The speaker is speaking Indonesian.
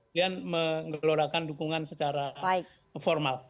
dan mengelorakan dukungan secara formal